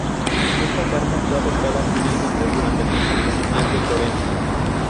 Esta Carta fue adoptada finalmente durante el Consejo Mundial de Florencia.